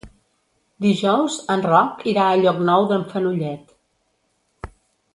Dijous en Roc irà a Llocnou d'en Fenollet.